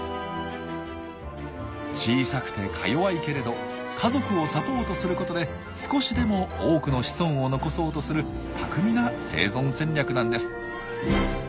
小さくてかよわいけれど家族をサポートすることで少しでも多くの子孫を残そうとする巧みな生存戦略なんです。